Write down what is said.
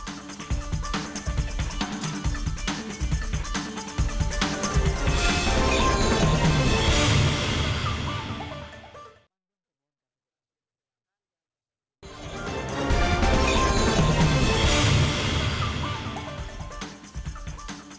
kepala pemerintahan korupsi indonesia